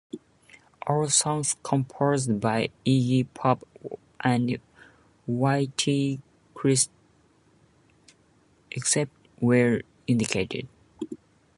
All songs composed by Iggy Pop and Whitey Kirst, except where indicated.